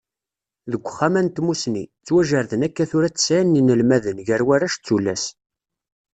Deg Uxxam-a n Tmussni, ttwajerrden akka tura tesɛin n yinelmaden, gar warrac d tullas.